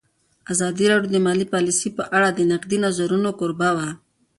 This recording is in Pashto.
ازادي راډیو د مالي پالیسي په اړه د نقدي نظرونو کوربه وه.